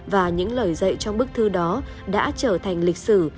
và những lời dạy trong bức thư đó đã trở thành lịch sử